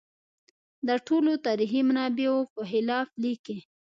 د ټولو تاریخي منابعو په خلاف لیکي.